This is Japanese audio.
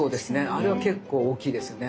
あれは結構大きいですよね